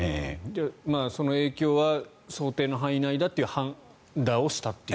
その影響は想定の範囲内だという判断をしたという。